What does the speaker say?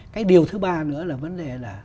cái điều thứ ba nữa là vấn đề là